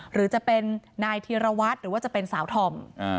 หรือจะเป็นนายธีรวัตรหรือว่าจะเป็นสาวธอม